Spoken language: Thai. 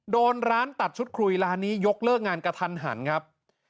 โดนร้านตัดชุดคุยร้านนี้ยกเลิกงานกระทันหันครับ